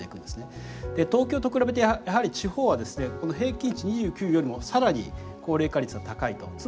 で東京と比べてやはり地方はですね平均値２９よりも更に高齢化率が高いと。